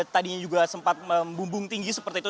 tadinya juga sempat membumbung tinggi seperti itu